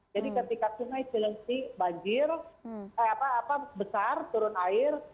jadi ketika sungai silengsi banjir besar turun air